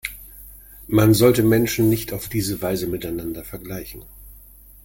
Man sollte Menschen nicht auf diese Weise miteinander vergleichen.